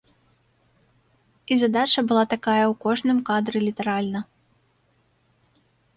І задача была такая ў кожным кадры літаральна.